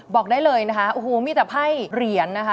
บอกได้เลยนะคะโอ้โหมีแต่ไพ่เหรียญนะคะ